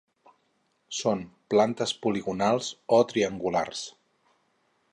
Són plantes poligonals o triangulars.